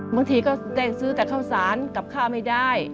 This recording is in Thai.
บางทีก็ได้ซื้อแต่ข้าวสารกับข้าวไม่ได้